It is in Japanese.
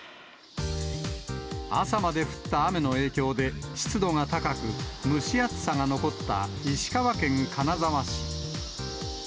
朝まで降った雨の影響で、湿度が高く、蒸し暑さが残った石川県金沢市。